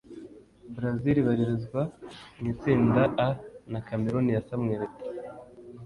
Brazil ibarizwa mu itsinda A na Cameroun ya Samuel Eto’o